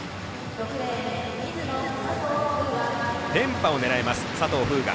連覇を狙います、佐藤風雅。